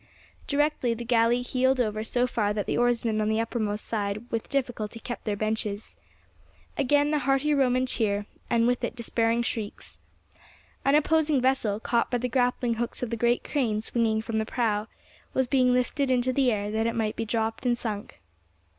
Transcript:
Directly the galley heeled over so far that the oarsmen on the uppermost side with difficulty kept their benches. Again the hearty Roman cheer, and with it despairing shrieks. An opposing vessel, caught by the grappling hooks of the great crane swinging from the prow, was being lifted into the air that it might be dropped and sunk.